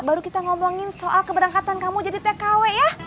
baru kita ngomongin soal keberangkatan kamu jadi tkw ya